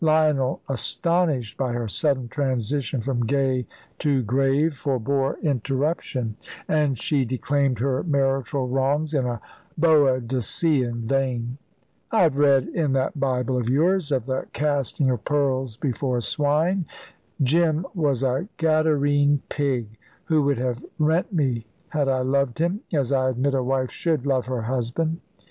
Lionel, astonished by her sudden transition from gay to grave, forbore interruption, and she declaimed her marital wrongs in a Boadicean vein. "I have read in that Bible of yours of the casting of pearls before swine. Jim was a Gadarene pig, who would have rent me had I loved him, as I admit a wife should love her husband.